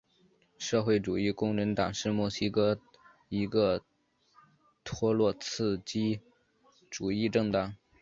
社会主义工人党是墨西哥的一个托洛茨基主义政党。